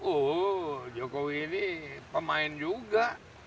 oh jokowi ini pemain juga